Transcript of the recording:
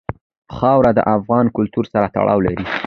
خاوره د افغان کلتور سره تړاو لري.